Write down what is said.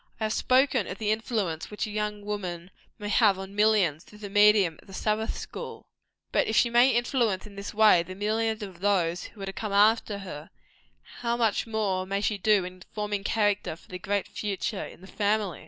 I have spoken of the influence which a young woman may have on millions through the medium of the Sabbath school. But if she may influence in this way, the millions of those who are to come after her, how much more may she do in forming character for the great future, in the family!